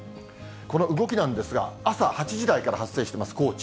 この動きなんですが、朝８時台から発生してます、高知。